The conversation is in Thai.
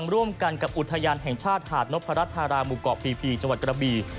ร่วมกันกับอุทยานแห่งชาติหาดนพรัชธาราหมู่เกาะพีจังหวัดกระบี